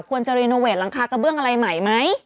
ควรจะลังคาเกอร์เบื้องอะไรใหม่ไหม